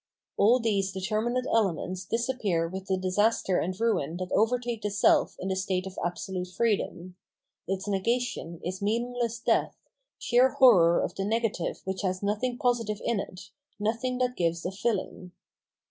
All these determinate elements disappear with the disaster and ruin that overtake the self in the state of absolute freedom ;* its negation is meaningless death, sheer horror of the negative which has nothing positive in it, nothing that gives a filling.